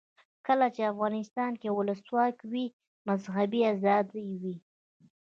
کله چې افغانستان کې ولسواکي وي مذهبي آزادي وي.